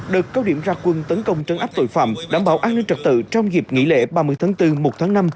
đợt cao điểm ra quân tấn công trấn áp tội phạm đảm bảo an ninh trật tự trong dịp nghỉ lễ ba mươi tháng bốn một tháng năm